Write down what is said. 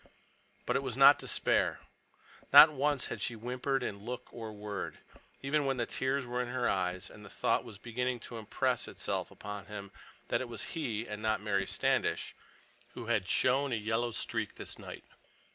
But it was not despair. Not once had she whimpered in look or word, even when the tears were in her eyes, and the thought was beginning to impress itself upon him that it was he—and not Mary Standish—who had shown a yellow streak this night.